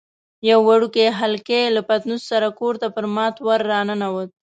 یو وړوکی هلکی له پتنوس سره کور ته پر مات وره راننوت.